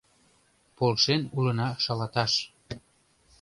Полшен улына шалаташ